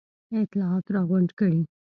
اطلاعات را غونډ کړي.